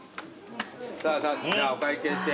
さあさあじゃあお会計して。